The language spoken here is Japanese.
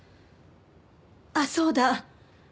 あっそうだ。